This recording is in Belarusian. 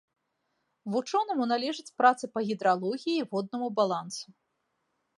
Вучонаму належаць працы па гідралогіі і воднаму балансу.